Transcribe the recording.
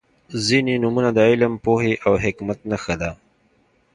• ځینې نومونه د علم، پوهې او حکمت نښه ده.